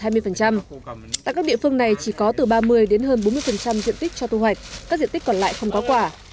tại các địa phương này chỉ có từ ba mươi đến hơn bốn mươi diện tích cho thu hoạch các diện tích còn lại không có quả